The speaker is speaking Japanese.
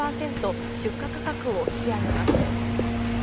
出荷価格を引き上げます。